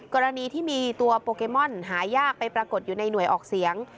กรณีที่มีตัวโปเกมอนหายากไปปรากฏอยู่ในหน่วยออกเสียง